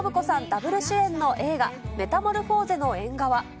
ダブル主演の映画、メタモルフォーゼの縁側。